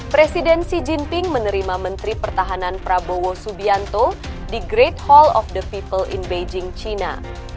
presiden xi jinping menerima menteri pertahanan prabowo subianto di great hall of the people in beijing cina